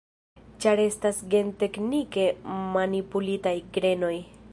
Ĉar estas genteknike manipulitaj grenoj.